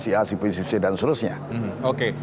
si a si b si c dan seterusnya oke